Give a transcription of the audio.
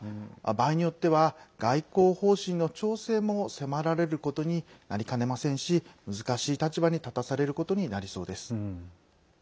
場合によっては外交方針の調整も迫られることになりかねませんし難しい立場に立たされることになりそうです。